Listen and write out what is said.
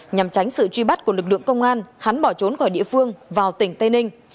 nhằm tránh sự truy bắt của lực lượng công an hắn bỏ trốn khỏi địa phương vào tỉnh tây ninh